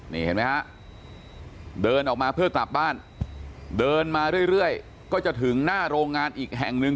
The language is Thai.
นี่เห็นไหมฮะเดินออกมาเพื่อกลับบ้านเดินมาเรื่อยก็จะถึงหน้าโรงงานอีกแห่งหนึ่ง